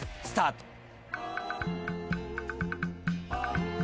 スタート。